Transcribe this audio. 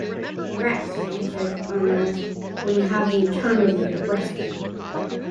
"Rest," answered Arnauld, "when you have eternity to rest in!